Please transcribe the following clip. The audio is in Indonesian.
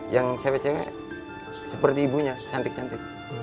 yang cewek cewek seperti ibunya cantik cantik